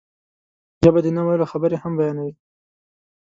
ژبه د نه ویلو خبرې هم بیانوي